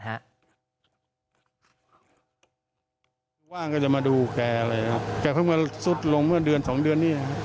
มาสตาร์ทรถให้แกก็เนื้อ๒๑